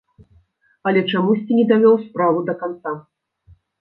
Але чамусьці не давёў справу да канца.